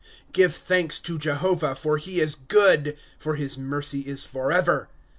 * G rPE thanks to Jehovah, for he is good ; For hia mercy is forever.